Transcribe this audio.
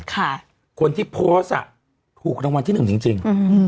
คนที่โพสอ่ะถูกรางวัลที่หนึ่งจริง